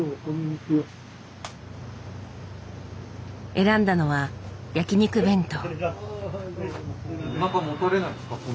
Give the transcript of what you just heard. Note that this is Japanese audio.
選んだのは焼肉弁当。